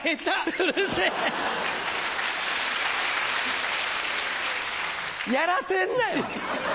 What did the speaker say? うるせぇ！やらせんなよ！